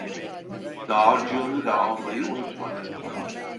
Dağarcığını da almayı unutmadı.